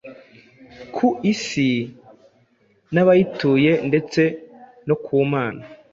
ku isi n’abayituye ndetse no ku Mana.